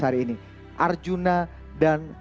hari ini arjuna dan